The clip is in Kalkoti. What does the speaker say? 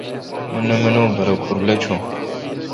مہ نہ منوم پرہ کُھر لچھون۔